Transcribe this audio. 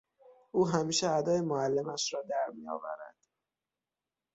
او همیشه ادای معلمش را در میآورد.